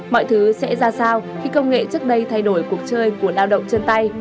mọi thứ sẽ ra sao khi công nghệ trước đây thay đổi cuộc chơi của lao động chân tay